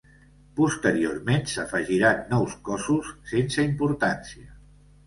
Posteriorment s'afegiren nous cossos, sense importància.